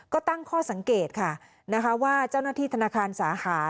ก็ตั้งข้อสังเกตค่ะนะคะว่าเจ้าหน้าที่ธนาคารสาขา